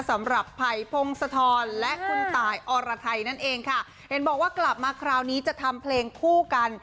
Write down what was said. สำหรับไผ่พงศธรและคุณตายอรไทยนั่นเองค่ะเห็นบอกว่ากลับมาคราวนี้จะทำเพลงคู่กัน